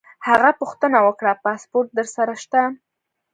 هغه پوښتنه وکړه: پاسپورټ در سره شته؟